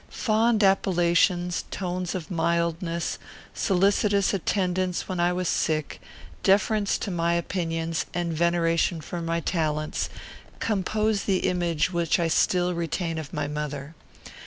Fond appellations, tones of mildness, solicitous attendance when I was sick, deference to my opinions, and veneration for my talents, compose the image which I still retain of my mother.